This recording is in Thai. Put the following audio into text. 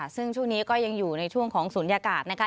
ซึ่งช่วงนี้ก็ยังอยู่ในช่วงของศูนยากาศนะคะ